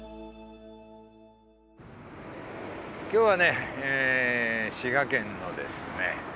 今日はね滋賀県のですね